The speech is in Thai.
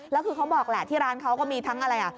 แล้วคือเขาบอกแหละที่ร้านเขาก็มีทั้งอะไรอ่ะ